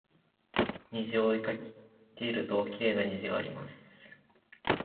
虹を追いかけるときれいな虹があります